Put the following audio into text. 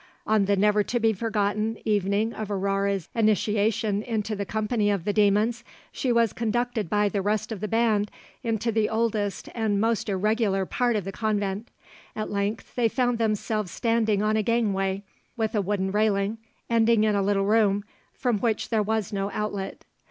On the never to be forgotten evening of Aurore's initiation into the company of the demons, she was conducted by the rest of the band into the oldest and most irregular part of the convent. At length they found themselves standing on a gangway with a wooden railing, ending in a little room, from which there was no outlet.